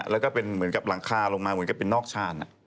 แล้วก็เป็นเหมือนกับหลังคาลงมาเหมือนกับเป็นนอกชาน